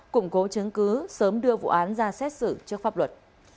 củng cố chứng cứ sớm đưa vụ án ra xét xử trước pháp luật